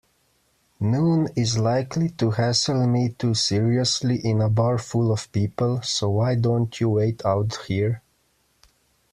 Noone is likely to hassle me too seriously in a bar full of people, so why don't you wait out here?